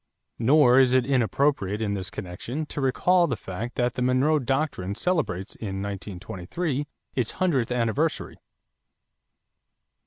Nor is it inappropriate in this connection to recall the fact that the Monroe Doctrine celebrates in 1923 its hundredth anniversary.